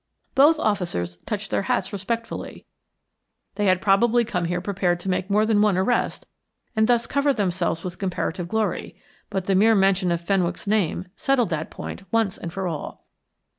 Both officers touched their hats respectfully; they had probably come here prepared to make more than one arrest and thus cover themselves with comparative glory; but the mere mention of Fenwick's name settled that point once and for all.